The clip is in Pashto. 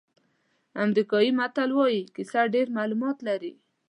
امریکایي متل وایي کیسه ډېر معلومات لري.